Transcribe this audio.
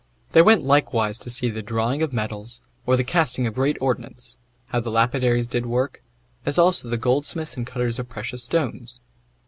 They went likewise to see the drawing of metals, or the casting of great ordnance; how the lapidaries did work; as also the goldsmiths and cutters of precious stones.